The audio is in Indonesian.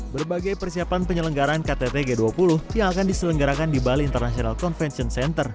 berbagai persiapan penyelenggaran ktt g dua puluh yang akan diselenggarakan di bali international convention center